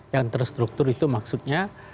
yang terstruktur itu maksudnya